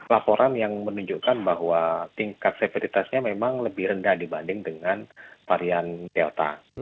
laporan yang menunjukkan bahwa tingkat severitasnya memang lebih rendah dibanding dengan varian delta